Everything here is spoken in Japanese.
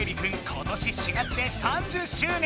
今年４月で３０周年！